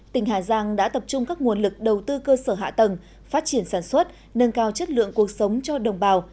tỉnh hà giang đã tập trung các nguồn lực đầu tư cơ sở hạ tầng phát triển sản xuất nâng cao chất lượng cuộc sống cho đồng bào